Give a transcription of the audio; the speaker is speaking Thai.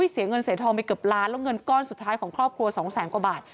เสียเงินเสียทองไปเกือบล้านแล้วเงินก้อนสุดท้ายของครอบครัวสองแสนกว่าบาท